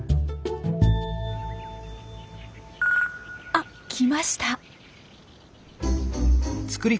あ来ました。